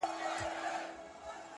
هغه چي تږې سي اوبه په پټو سترگو څيښي”